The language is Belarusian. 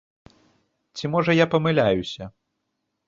Ці можа я памыляюся?